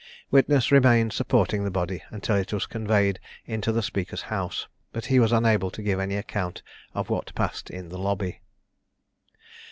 Witness remained supporting the body until it was conveyed into the speaker's house, but he was unable to give any account of what passed in the lobby.